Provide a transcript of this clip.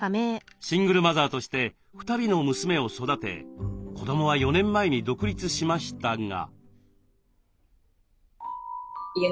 シングルマザーとして２人の娘を育て子どもは４年前に独立しましたが。